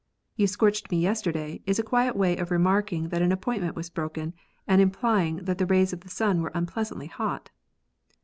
You scorched me yesterday is a quiet way of remark ing that an appointment was broken, and implying tliat the rays of the sun were unpleasantly hot.